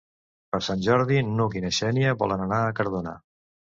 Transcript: Per Sant Jordi n'Hug i na Xènia volen anar a Cardona.